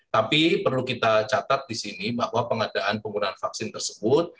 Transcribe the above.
tapi perlu kita catat di sini bahwa pengadaan penggunaan vaksin tersebut